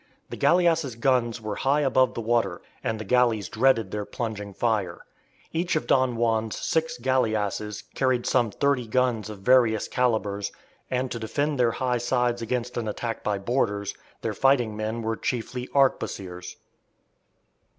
The galleass's guns were high above the water, and the galleys dreaded their plunging fire. Each of Don Juan's six galleasses carried some thirty guns of various calibres, and to defend their high sides against an attack by boarders, their fighting men were chiefly arquebusiers.